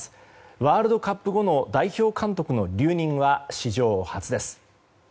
ワールドカップ後の代表監督の留任は史上初です。